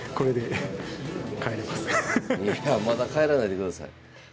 いやまだ帰らないでください。